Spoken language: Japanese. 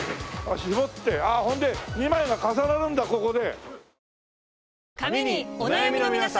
絞ってあっほんで２枚が重なるんだここで。